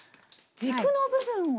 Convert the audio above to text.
軸の部分を。